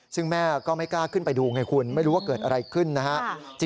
ซึ่งแม่ก็ไม่กล้าขึ้นไปดูไงคุณไม่รู้ว่าเกิดอะไรขึ้นนะฮะ